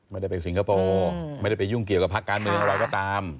ไม่ได้ไปสิงคโปร์ไม่ได้ไปยุ่งเกี่ยวกับพักการเมืองอะไรก็ตาม